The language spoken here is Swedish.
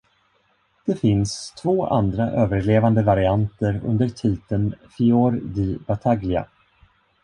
Det finns två andra överlevande varianter under titeln Fior di Battaglia.